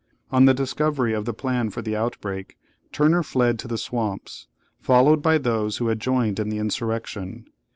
On the discovery of the plan for the outbreak, Turner fled to the swamps, followed by those who had joined in the insurrection.